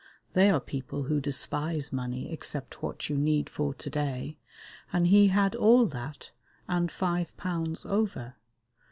They are people who despise money except what you need for to day, and he had all that and five pounds over.